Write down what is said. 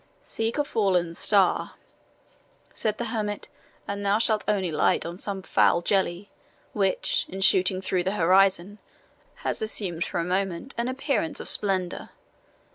"Seek a fallen star," said the hermit, "and thou shalt only light on some foul jelly, which, in shooting through the horizon, has assumed for a moment an appearance of splendour.